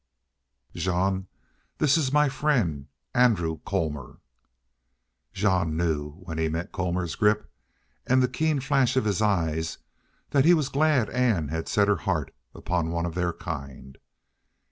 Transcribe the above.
"Jean, this is my friend, Andrew Colmor." Jean knew when he met Colmor's grip and the keen flash of his eyes that he was glad Ann had set her heart upon one of their kind.